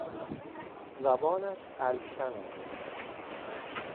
زبانش الکن است.